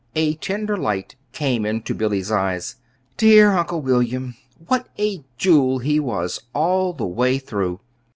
A tender light came into Billy's eyes. "Dear Uncle William! What a jewel he was, all the way through!